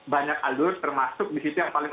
banyak alur termasuk di situ yang paling